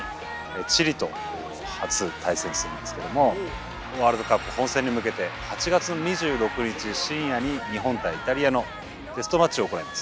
チリと初対戦するんですけどもワールドカップ本戦に向けて８月２６日深夜に日本対イタリアのテストマッチを行います。